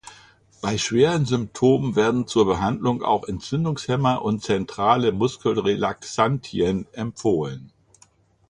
Bei schweren Symptomen werden zur Behandlung auch Entzündungshemmer und zentrale Muskelrelaxantien empfohlen.